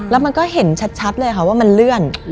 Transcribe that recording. แล้วมันก็เห็นชัดเลยค่ะว่ามันเลื่อน